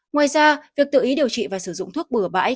ngoài ra việc tự ý điều trị và sử dụng thuốc bừa bãi